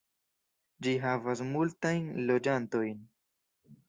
Ĝi havas multajn loĝantojn.